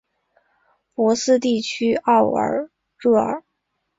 博斯地区奥尔热尔。